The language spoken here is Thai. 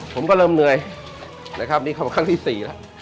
ผมก็เริ่มเหนื่อยนะครับนี่เข้ามาครั้งที่๔แล้ว